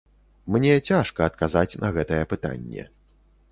Мне цяжка адказаць на гэтае пытанне.